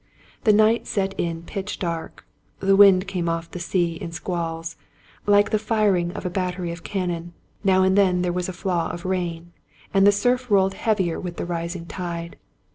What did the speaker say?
The night set in pitch dark. The wind came off the sea in squalls, like the firing of a battery of cannon ; now and then there was a flaw of rain, and the surf rolled heavier with the rising tide.